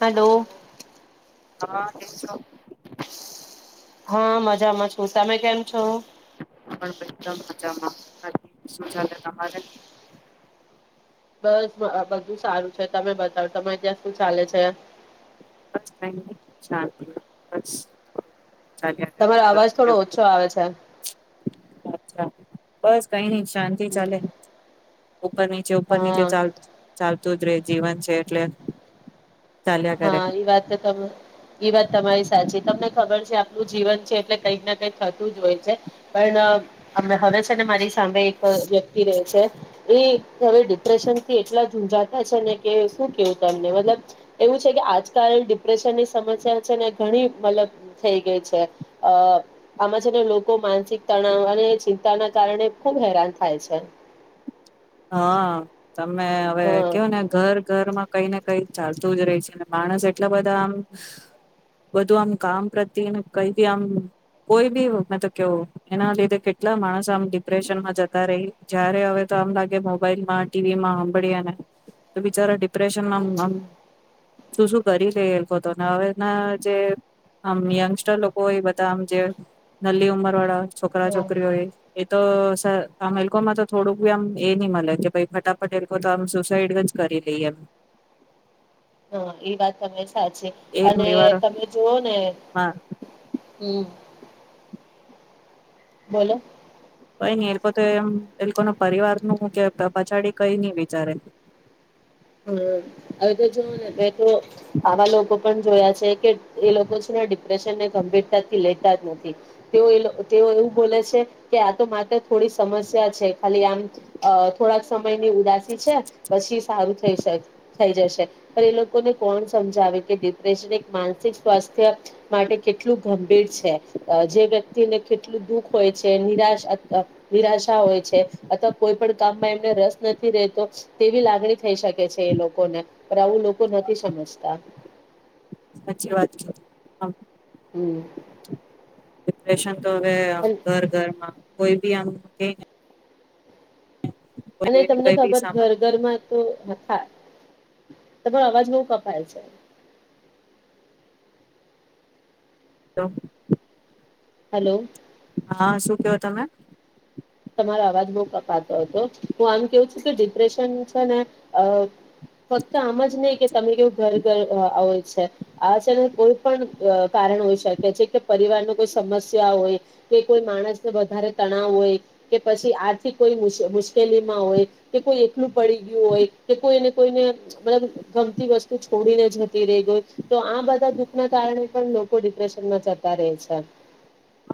Hello હા કેમ છો. હા મજામાં છું તમે કેમ છો હું પણ એકદમ મજામાં. શું ચાલે તમારે? બસ બધું સારું છે તમે બતાવ તમારે ત્યાં શું ચાલે છે. [unintelligible] કરે તમારો ઉપર અવાજ થોડો ઓછો નીચે. આવે છે. અચ્છા, બસ કઈની જ શાંતિ ચાલે. ઉપર નીચે ઉપર નીચે હા ચાલ ચાલતું જ રે જીવન છે એટલે. ચાલ્યા કરે હા, એ વાત તો તમે એ વાત તમારી સાચી તમને ખબર છે આપણું જીવન છે એટલે કઈક ને કઈક થતું જ હોય છે પણ હવે છેને મારી સામે એક વ્યક્તિ રહે છે એ હવે ડિપ્રેશનથી એટલા ઝૂઝાતા છેને કે શું કેવું તમને મતલબ એવું છે કે આજકાલ ડિપ્રેશનની સમસ્યા છેને ઘણી મતલબ થઈ ગઈ છે અ આમાં છેને લોકો માનસિક તણાવ અને ચિંતાના કારણે ખૂબ હેરાન થાય છે. હા તમે હવે હા કેવોને ઘર ઘરમાં કઈને કઈ ચાલતું જ રેય છે માણસ એટલા બધાં આમ બધું આમ કામ પ્રત્યનું કઈ બી આમ કોઈ બી મેતો કેવું એના લીધે કેટલા માણસ આમ ડિપ્રેશનમાં જતા રેય જયારે હવે તો આમ લાગ મોબાઈલમાં, ટીવીમાં હંભળીએને તો બિચારા ડિ હમ [unintelligible] નામ. શું શું કરી લે એ લોકો હતો હવેના જે આમ યંગસ્ટર લોકો હોય બધા આમ જે નલી ઉમર વાળા છોકરા હા છોકરીઓ એ તો સ અમેલકોમાં તો થોડુંક આમ એ નહી મને કે ભાઈ ફટાફટ એ લોકો તો આમ સુસાઈડ જ કરી લઈએ એમ હા એ વાત તમે સાચી એ અને પરિવારમાં તમે જુઓ ને હમ બોલો કઈ નઈ એ લોકો તો એમ એ લોકો ના પરિવાર નુ કે પછાડી કઈ નહી વિચારે હ હવે તો જોને તો આવા લોકો પણ જોયા છે કે એ લોકો છે ને ડિપ્રેશનને ગંભીરતાથી લેતા જ નથી તેઓ તેઓ એવું બોલે છે કે આ તો માત્ર થોડી સમસ્યા છે ખાલી આમ થોડાક સમયની ઉદાસી છે પછી સારું થઈ જશે પણ એ લોકોને કોણ સમજાવે કે ડિપ્રેશન એક માનસિક સ્વાસ્થ્ય માટે કેટલું ગંભીર છે જે વ્યક્તિને કેટલું દુઃખ હોય છે નિરાશ નિરાશા હોય છે અથવા કોઈ પણ કામમાં એમને રસ નથી રહેતો તેવી લાગણી થઈ શકે છે એ લોકોને પણ આવું લોકો નથી સમજતા સાચી વાત છે હમ રેશન તો હવે અન- ઘર ઘરમાં કોઈ ભી આમ કેયને અને તમને કઈ બી ખબર સામાન ઘર ઘરમાં તો હા તમારો અવાજ બો કપાય છે [inaudible] હાલો હા શું કેવો તમે તમારો અવાજ બો કપાતો હતો હું આમ કેવું છું કે ડિપ્રેશન છે ને અ ફક્ત આમાં જ નઈ કે તમે કેવું ઘર ઘર હોય છે આ છે ને કોઈ પણ કારણ હોય શકે છે કે પરિવાર નુ કોઈ સમસ્યા હોય કે કોઈ માણસને વધારે તણાવ હોય કે પછી આથીક કોઈ મુશ્કેલીમાં હોય કે કોઈ એકલું પડી ગયું હોય કે કોઈને કોઈને મલબ ગમતી વસ્તુ છોડીને જતી રહી ગય તો આ બધા દુઃખના કારણે પણ લોકો ડિપ્રેશનમાં જતા રેય છે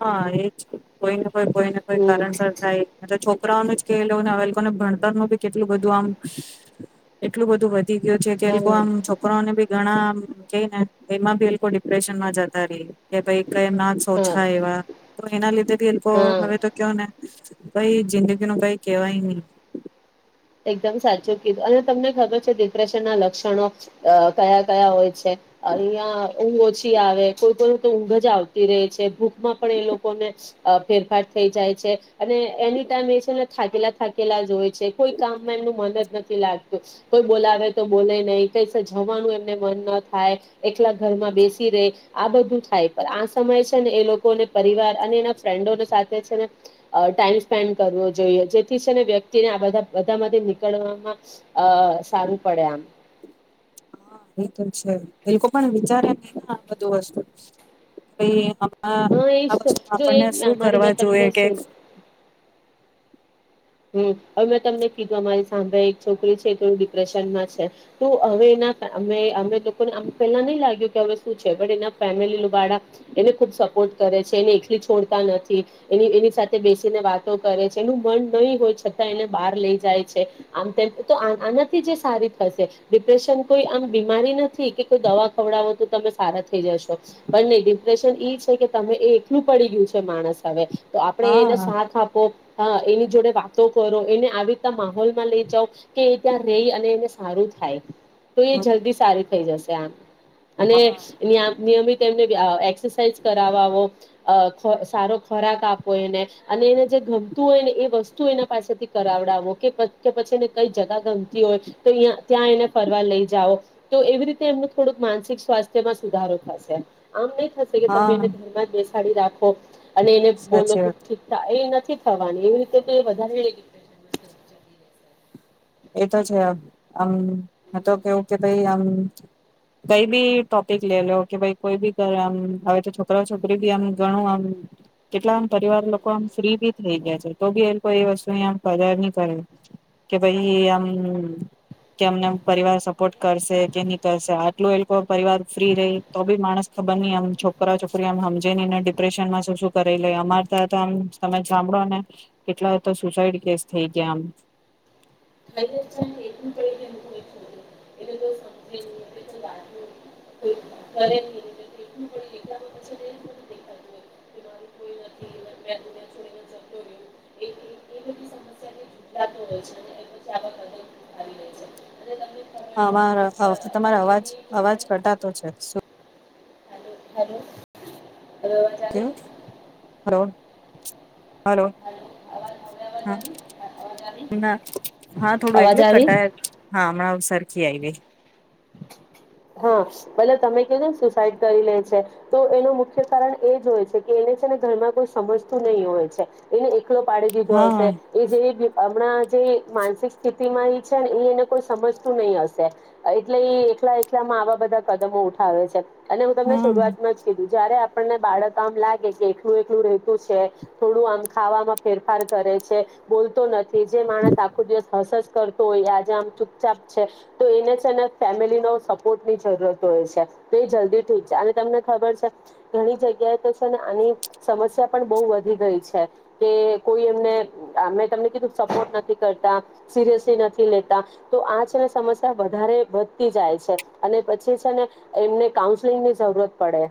હા એજ કોઈ કોઈ ને કોઈ હમ કારણસર થાય છોક છોકરાનો નુ જ કેયલોવો ને એલોકોને ભણ ભણતર માં ભી કેટલું બધું આમ એટલું બધું વ વધી ગયો છે કે હા લોકો આમ છોકરોને ઘણા કે ને એમાં ભી એ લોકો ડિપ્રેશન માં જતા રેય કે ભાઈ કેમ ના સોચ હા એવા તો એના લીધેથી લોકો હા લોકો હવે તો કેવો ને કઈ જિંદગી નુ કઈ કેહેવાય ની એકદમ સાચું કીધું અને તમને ખબર છે ડિપ્રેશન ના લક્ષણો કયા કયા હોય છે અહિયાં ઊંઘ ઓછી આવે કોઈને તો ઊંઘ જ આવતી રહે છે ભૂખમાં પણ એ લોકોને ફેરફાર થઈ જાય છે અને એની ટાઈમ એ છે ને થાકેલા થાકેલા જ હોય છે કોઈ કામમાં એમનું મન જ નથી લાગતું કોઈ બોલાવે તો બોલે નહી કઈ જવાનું એમને મન ન થાય એકલા ઘરમાં બેસી રે આ બધું થાય પણ આ સમયે છે ને એ લોકોને પરિવાર અને એના ફ્રેન્ડોને સાથે છે ને ટાઈમ સ્પેન્ડ કરવો જોઈએ જેથી છે ને વ્યક્તિને આ બધા બધામાંથી નીકળવામાં અ સારું પડે આમ હા એ તો છે એ લોકો પણ વિચારે ની ને આ બધું વસ્તુ ભઈ હ હા એજ આ તો વસ્તુમા જો આપણને એક શું મારી મેં કરવા જોઈએ તમને કે શું હમ હવે મેં તમને કીધું અમારી સામે એક છોકરી છે થોડું ડિપ્રેશનમાં છે તો હવે એના અ અમે અંમે લોકોને પેલા નહી લાગ્યું કે હવે શું છે એના ફેમિલી વાળા એને ખુબ સપોર્ટ કરે છે એને એકલી છોડતા નથી એની એની સાથે બેસીને વાતો કરે છે એનું મન નહી હોય છતાં એને બાર લઈ જાય છે આમ તેમ તો આનાથી જે સારી થશે ડિપ્રેશન કોઈ આમ બીમારી નથી કે કોઈ દવા ખવડાવો તો તમે સારા થઈ જશો પણ નહી ડિપ્રેશન ઈ છે કે તમે એ એકલું પડી ગયું છે માણસ હવે તો આપડે એને હા શાથ આપવો હા એની જોડે વાતો કરો એને આવીરીતના માહોલમાં લઈ જાવ કે એ ત્યાં રહી અને એને સારું થાય તો એ હા જલ્દી સારી થઈ જશે ત્યાં અને નિયા નિયમિત તેમને અ એસરસાાઈઝ કરાવાવો અ ખ સારો ખોરાક આપો એને અને એને જે ગમતું હોય ને એ વસ તુ એને પાસેથી કરાવડાવો કે પ કે પછી કઈ જગા ગમતી હોય તોયા ત્યાં એને ફરવા લઈ જાવ તો એવી રીતે એમનું થોડુંક માનસિક સ્વાસ્થ્યમાં સુધારો થશે આમ ની થશે કે તમે હા એને ધરમા જ બેસ બેહાડી રાખો અને એને બોલો સાચી વાત તો એ નથી ફા પાણીએ છેતે વધારે ડિપ્રેશન માં જતી રહશે એ તો છે આમ ન તો કેવું કે ભાઈ આમ કઈ બી ટોપિક લે લો કે ભાઈ કોઈ બી કર આમ હવે તો છોકરા છોકરી બી આમ ગણું આમ કેટલામ પરિવાર લોકો આમ ફ્રી ભી થઈ ગયા છે તો બી એ લોકો એ વસ્તુની કદર નઈ કરે ભાઈ આમ કે અમને પરિવાર સપોર્ટ કરશે કે ની કરશે આટલો એ લોકો પરિવાર ફ્રી રેય તો બી માણસ ખબર ની આમ છોકરા છોકરી આમ હમજે ની ને ડિપ્રેશન માં શું શું કરી લે અમાર તયા ત આમ તમે સાંભળો ને કેટલા તો સુસાઈડ કેસ થઈ ગયા આમ [unintelligible] કરે એલું પડે એટલા બધા છેને એમ દેખાતું હોય કે મારું કોઈ નથી મે દુનીયા છડીને જતો રહ્યું એ બધી સમસ્યા એ જોડાતો હોય છે. [unintelligible] આવી રહી છે અને તમને ખબર છે તમારો કે અ અગર તમારો અવાજ એની અવાજ કરતા તો છે શું હાલો હાલો અવે અવાજ આવે કેવું હલો હલો હેલો અવાજ હવે અવાજ હા આવી અવાજ આવી ના હા થોડું અવાજ એકલે આવી કટાય હા હમણાં સર છી આઈવી હા પલે તમે કીધુ ને સુસાઈડ કરી લે છે તો એનું મુખ્ય કારણ એ જ હોય છે કે એને છે ને ઘરમાં કોઈ સમજતું નહી હોય છે એને કલો પાડી દીધો હા હશે હા એ જેવી અમ હણા જે માનસિક સ્થિતિ માં એ છે ને એ એને કોઈ સમજતું નહી હશે એ એટલે એ એકલા એકલા માં આવા બધા કદમો ઉઠાવે છે. અને હું તમને હમ શરૂઆતમાં જ કીધી જયારે આપણને બાળક આમ લાગે કે એકલું એકલું રહેેતું છે થોડું આમ ખાવામાં ફેરફાર કરે છે બોલતો ન તે જે માણસ આખ દિવસ હસ કરતો હોય આજે આમ ચૂપચાપ છે તો એને છે ને ફેમિલી નો સપોર્ટ ની જરૂરત હોય છે તો એ જલ્દી ઠીક છે અને તમને ખબર છે ઘણી જગ્યાએ તો છે ને આની સમસ્યા પણ બહુ વધી ગઈ છે કે કોઈ એમને મેં તમને કીધું સપોર્ટ નથી કરતા સિરિયસલી નથી લેતા તો આ છે ને સમસ્યા વધારે જાય છે અને પછી છે ને એમને કાઉન્સલિંગ ની જરૂરત પડે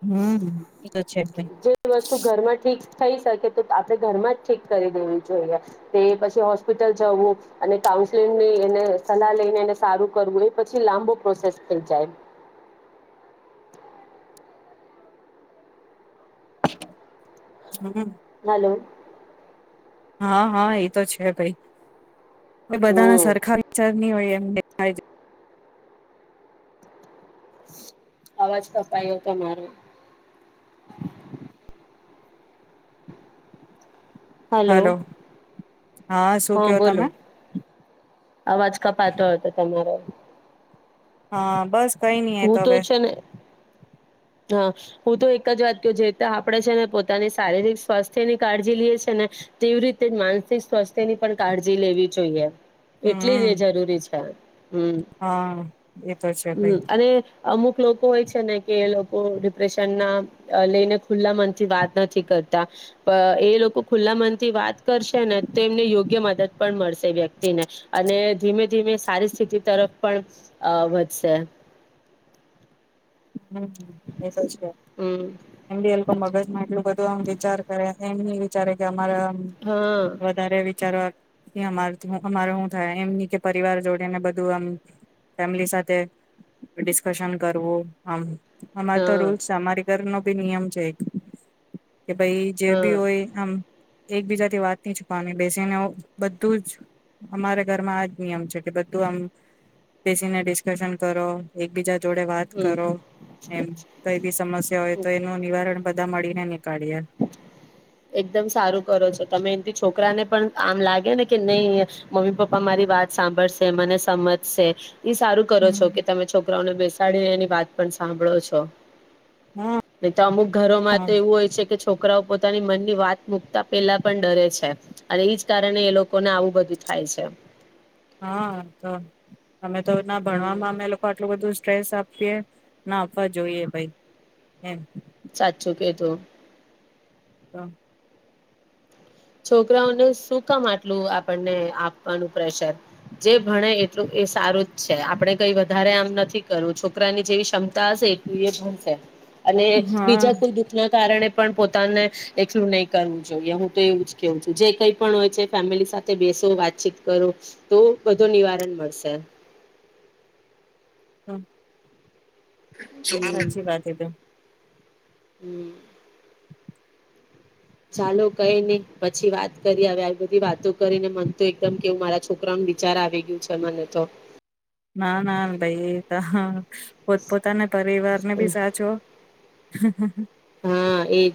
હમ એ તો છે ભાઈ જે વસ્તુ ઘરમાં ઠીક થઈ શકે તો આપણે ઘરમાં જ ઠીક કરી દેવી જોઈએ તે પછી હોસ્પિટલ જવું અને કાઉન્સલિંગ ની એને સલાહ લઈને એને સારું કરવું પછી લાંબો પ્રોસેસ થ જાય હમ હાલો હા હા એ તો છે ભાઈ એ હમ બધાના સરખા વિચારની હોય એ દેખાય જાય અવાજ કપાયો તમારો હલો હલોો હા શું કેો તમે અવાજ કપાતો હતો તમારો હા બસ કઈ નહ હું તો તોવે છે ને હા હું તો એક જ વાત ક જે રી આપણેે છે ને પોતાની શારીરિક સ્વાસ્થ્યની કાળજી લઈએ છ છે ને તેવી રીતે જ માનસિક સ્વાસ્થ્ય ની પણ કાળજી લેવી જોઈએ એટલી જ હમ એ જરૂરી છે હમ હા એ તો છે ભાઈ હમ અને અમુક લોકો હોય છે ને કે લોકો ડિપ્રેશન ના લઈને ખુલ્લા મનથી વાત નથી કરતા પણ એ લોકો ખુલ્લા મનથી વાત કરશે ને યોગ્ય મદદ પણ મળશે વ્યક્તિને અને ધીમે ધીમે સારી સ્થિતિ તરફ પણ વધશે હમ એતો જ કે હમ એમડી એ મગજ માં એટલું બધું આમ વિચાર કરે મ વિચારે કે મ્હારા હા વધારે વિચારવા અમારે શું થાય એમની કે પરિવાર જોડીને બધું આમ ફેમિલી સાથે ડિસ્કશન કરવું હમ અમારે તો હા રૂલ્ છે અમારી ઘર ન અભ નમ જક કે ભાઈ જે હા બી હોય આમ એકબીજાથી વાત ન છુપવાની બેસીને બધું જ અમારા ઘરમાં આજ નિયમ છે કે બધું આમ બેસીને ડિસ્કશન કરો એકબીજા જોડે વાત હમ કરો એમ કઈ બી સમસ્યા હોય તો એનું નિવારણ તા મળી ન એકદમ સારું કરો છો તમે એથી છોકરી છોકરાને પણ આમ લાગે ને કે નહી મમ્મી પપ્પા મારી વાત સાંભળશે મને સમજશે ઈ સારું કરો છો કે તમે છોકરાઓને બેસ ડી એની વાત પણ સાંભળો છો હા ન તો અમુક ઘરોમાં હા તો એવું હોય છે કે છોકરાઓ પોતાની મનની વાત મુૂકતા પેલા પણ ડરે છે. અને એજ કારણે એ લોકોને આવું બધું થાય છે. હા તો અમે તો ના હમ ભણવામાં અમે એ લોકો આટલું બધું સ્રેસ આપીએ ના આપવા જોઈએ ભાઈ એમ સાચું કેતોું તો છોકરાઓને શું કામ આટલું આપણને આપવાનું પ્રેશર જે ભણે એટલું એ સારું જ છે આપણે કઈ વધારે આમ નથી કરું છોકરાની જેવી ક્ષમતા હશે એટલી એ ભશે અને હા બીજા કોઈ દુઃખના કારણે પણ પોતાને એકલું નહી કરવું જોઈએ હું તો એવું જ કેવું છું જે કઈ પણ હોય છે ફેમિલી સાથે બેસો વાતચીત કરો તો બધું નિવારણ મળશે હમ હમ સાચી વાત હ તો હમ ચાલો કઈ નહી પછી વાત કરી આવે આવી બધી વાતો કરીને મન તો એકદમ કેવું મારા છોકરા ન બ વિચાર આવી ગયું છે મને તો ના ના ભાઈ પોતપોતાના પરિવાર ને બી સાચો [unintelligible] હા એજ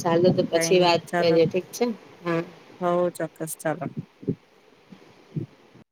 ચાલુ તો કઈ પછી નઈ વાત ચાલો કરીએ ઠીક છે હા હોવ ચોક્કસ [unintelligible]